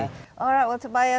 baik tobias terima kasih banyak